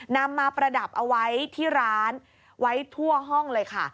นำมาประดับเอาไว้ที่ร้านไว้ทั่วห้องเลยค่ะ